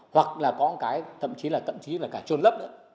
hoặc là có cái thậm chí là cả trôn lấp nữa